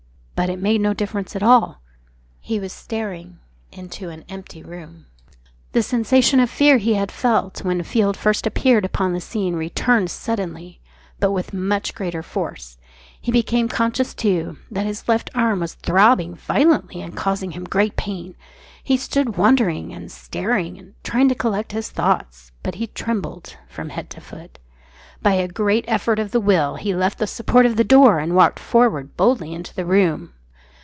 But it made no difference at all. He was staring into an empty room. The sensation of fear he had felt when Field first appeared upon the scene returned suddenly, but with much greater force. He became conscious, too, that his left arm was throbbing violently and causing him great pain. He stood wondering, and staring, and trying to collect his thoughts. He was trembling from head to foot. By a great effort of the will he left the support of the door and walked forward boldly into the room.